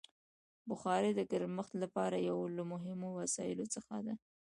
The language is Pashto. بخاري د ګرمښت لپاره یو له مهمو وسایلو څخه ده.